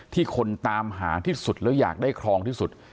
ที่คนตามหาที่สุดแล้วอยากได้ครองที่สุด